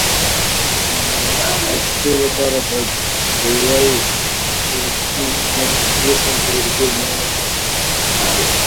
The boat was marked by it unique ahead of it time enclosed cockpit.